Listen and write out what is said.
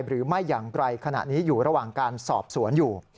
หรือไม่อย่างไกลขณะนี้อยู่ระหว่างการสอบสวนอยู่